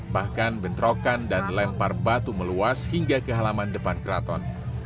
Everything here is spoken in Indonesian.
bahkan bentrokan dan lempar batu meluas hingga ke halaman depan keraton